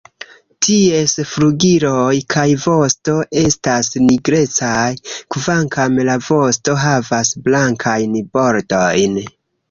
Ties flugiloj kaj vosto estas nigrecaj, kvankam la vosto havas blankajn bordojn.